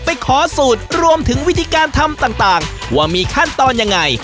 ไปขอสูตรรวมถึงวิธีการทำต่างว่ามีขั้นตอนยังไง